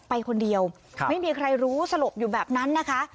ไปคนเดียวไม่มีใครรู้สลบอยู่แบบนั้นนะคะ